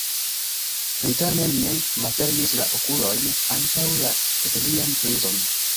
Li tamen ne malfermis la okulojn antaŭ la eklezian krizon.